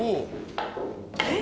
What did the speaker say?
えっ？